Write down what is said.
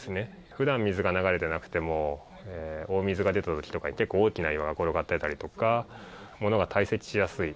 ふだん水が流れてなくても、大水が出たときとか、結構大きな岩が転がっていたりとか、ものが堆積しやすい。